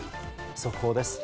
速報です。